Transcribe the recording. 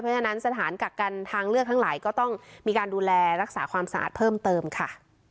เพราะฉะนั้นสถานกักกันทางเลือกทั้งหลายก็ต้องมีการดูแลรักษาความสะอาดเพิ่มเติมค่ะ